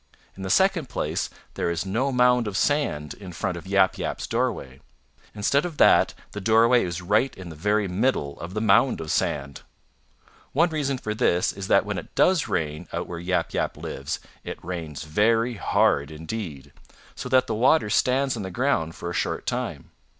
In the second place there is no mound of sand in front of Yap Yap's doorway. Instead of that the doorway is right in the very middle of the mound of sand. One reason for this is that when it does rain out where Yap Yap lives it rains very hard indeed, so that the water stands on the ground for a short time.